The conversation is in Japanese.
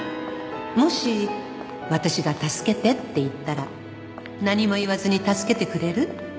「もし私が“助けて”って言ったら何も言わずに助けてくれる？」